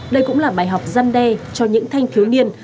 đây cũng là bài học răn đe cho những thanh thường niên